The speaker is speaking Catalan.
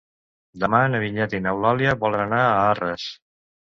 Demà na Vinyet i n'Eulàlia volen anar a Arres.